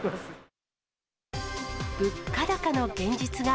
物価高の現実が。